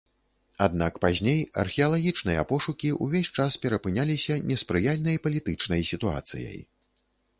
Аднак пазней археалагічныя пошукі увесь час перапыняліся неспрыяльнай палітычнай сітуацыяй.